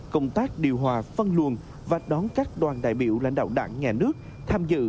công tác điều hòa phân luồn và đón các đoàn đại biểu lãnh đạo đảng nhà nước tham dự